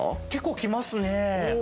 結構きますね。